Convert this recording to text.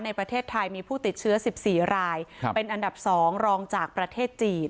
ในประเทศไทยมีผู้ติดเชื้อ๑๔รายเป็นอันดับ๒รองจากประเทศจีน